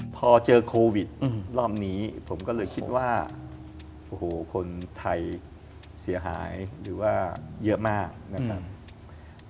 พอเจอโควิดรอบนี้ผมก็เลยคิดว่าโอ้โหคนไทยเสียหายหรือว่าเยอะมากนะครับ